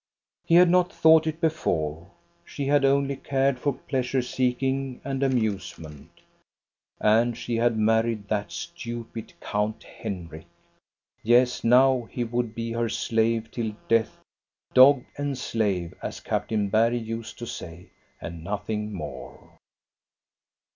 He had not thought it before. She had only cared for pleasure seeking and amusement. And she had married that stupid Count Henrik. Yes, now he would be her slave till death ; dog and slave as Captain Bergh used to say, and nothing more.